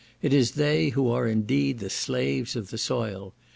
It is they who are indeed the slaves of the soil.